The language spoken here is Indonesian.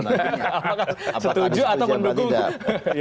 setuju atau mendukung